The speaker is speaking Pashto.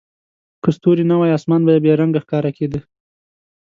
که ستوري نه وای، اسمان به بې رنګه ښکاره کېده.